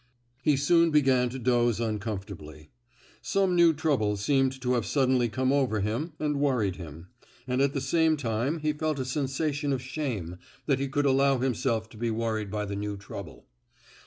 He soon began to doze uncomfortably. Some new trouble seemed to have suddenly come over him and worried him, and at the same time he felt a sensation of shame that he could allow himself to be worried by the new trouble.